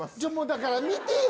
だから見てよ